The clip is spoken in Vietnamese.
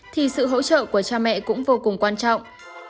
thì sự hỗ trợ của cha mẹ cũng vô cùng quan trọng